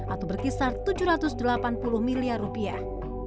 atau berkisar tujuh ratus delapan puluh miliar rupiah